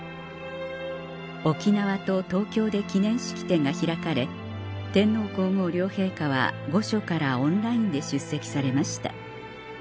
沖縄と東京で記念式典が開かれ天皇皇后両陛下は御所からオンラインで出席されました